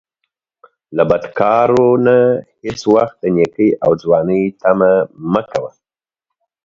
له بدکارو نه هیڅ وخت د نیکۍ او ځوانۍ طمعه مه کوه